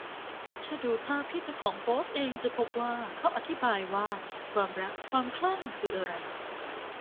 ถ้าดูภาพที่เจ้าของโพสเองจะพบว่าเขาอธิบายว่า ความรัก ความคลั่งคืออะไร